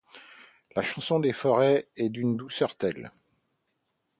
La chanson des forêts est d'-une douceur telle